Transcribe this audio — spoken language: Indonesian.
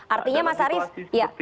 artinya mas arief ya